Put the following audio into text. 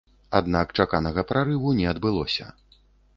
Аднак чаканага прарыву не адбылося.